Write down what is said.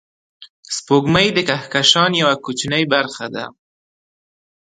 سپوږمۍ د کهکشان یوه کوچنۍ برخه ده